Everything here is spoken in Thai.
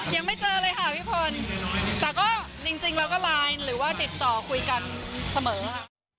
ยังไม่เจอเลยค่ะพี่พลแต่ก็จริงเราก็ไลน์หรือว่าติดต่อคุยกันเสมอค่ะ